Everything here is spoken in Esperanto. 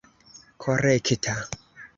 korekta